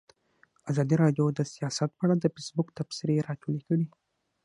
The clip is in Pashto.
ازادي راډیو د سیاست په اړه د فیسبوک تبصرې راټولې کړي.